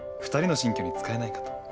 ２人の新居に使えないかと。